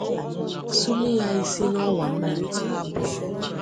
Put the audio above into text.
sụnye ya isi n'ọwà mmiri.